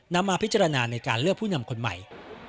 มาพิจารณาในการเลือกผู้นำคนใหม่